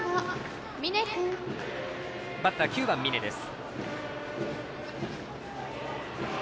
バッター、９番、峯です。